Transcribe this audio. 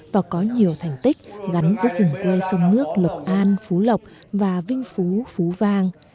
và có nhiều thành tích gắn với vùng quê sông nước lộc an phú lộc và vinh phú phú vang